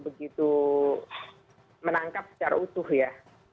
begitu menangkap secara utuh ya